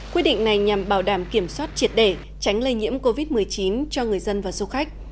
quyết định này nhằm bảo đảm kiểm soát triệt để tránh lây nhiễm covid một mươi chín cho người dân và du khách